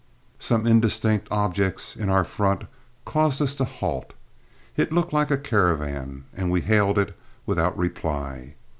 Some indistinct objects in our front caused us to halt. It looked like a caravan, and we hailed it without reply.